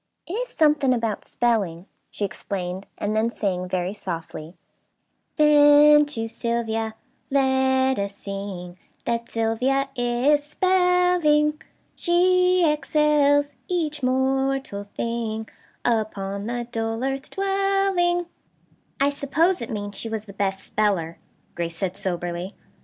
"It is something about 'spelling,'" she explained, and then sang, very softly: "'Then to Sylvia let us sing, That Sylvia is spelling. She excels each mortal thing, Upon the dull earth dwelling.' "I suppose it means she was the best speller," Grace said soberly.